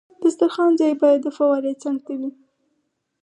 د دسترخوان ځای باید د فوارې څنګ ته وي.